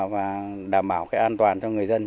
và đảm bảo cái an toàn cho người dân